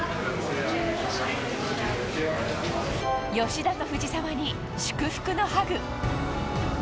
吉田と藤澤に祝福のハグ。